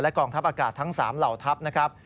กองทัพอากาศทั้ง๓เหล่าทัพนะครับ